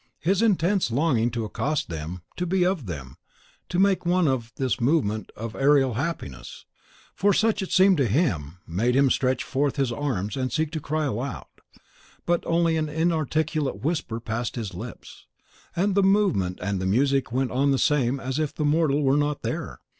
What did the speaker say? His intense longing to accost them, to be of them, to make one of this movement of aerial happiness, for such it seemed to him, made him stretch forth his arms and seek to cry aloud, but only an inarticulate whisper passed his lips; and the movement and the music went on the same as if the mortal were not there.